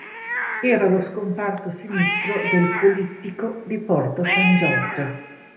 Era lo scomparto sinistro del "Polittico di Porto San Giorgio".